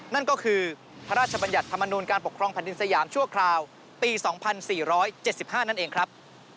นั่นก็คือพระราชบัญญัติธรรมนูลการปกครองแผ่นดินสยามชั่วคราวปี๒๔๗๕นั่นเองครับ